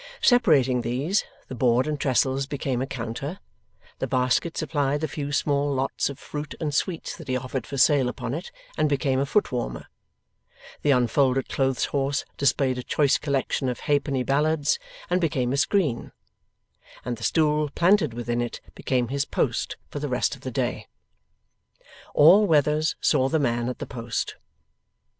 Separating these, the board and trestles became a counter, the basket supplied the few small lots of fruit and sweets that he offered for sale upon it and became a foot warmer, the unfolded clothes horse displayed a choice collection of halfpenny ballads and became a screen, and the stool planted within it became his post for the rest of the day. All weathers saw the man at the post.